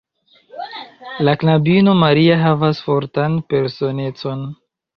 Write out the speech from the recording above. La knabino Maria havas fortan personecon.